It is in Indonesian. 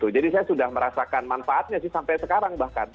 jadi saya sudah merasakan manfaatnya sih sampai sekarang bahkan